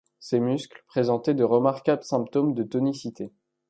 Ses muscles présentaient de remarquables symptômes de tonicité